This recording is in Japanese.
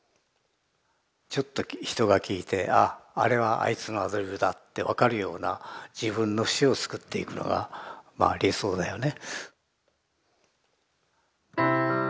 ちょっと人が聴いてあああれはあいつのアドリブだって分かるような自分の節を作っていくのがまあ理想だよね。